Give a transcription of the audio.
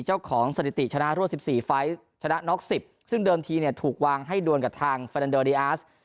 สถิติชนะรวด๑๔ไฟล์ชนะน็อก๑๐ซึ่งเดิมทีเนี่ยถูกวางให้ดวนกับทางเฟนเดอร์ดีอาร์ส